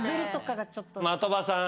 的場さん。